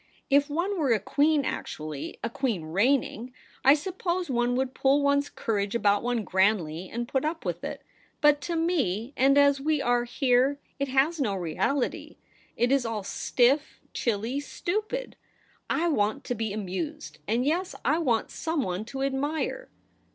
If one were a queen actually — a queen reigning — I suppose one would pull one's courage about one grandly, and put up with it. But to me, and as we are here, it has no reality. It is all stiff, chilly, stupid ! I want to be amused ; and, yes, I want some one to admire.'